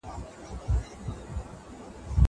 زه وخت نه تېرووم!